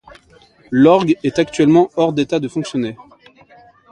L'orgue est actuellement hors d'état de fonctionner.